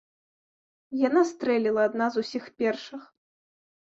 Яна стрэліла адна з усіх першых.